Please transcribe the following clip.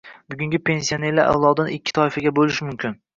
Bugungi pensionerlar avlodini ikki toifaga bo'lish mumkin